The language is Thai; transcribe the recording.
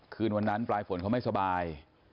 คืนวันนั้นปลายฝนเขาไม่สบาย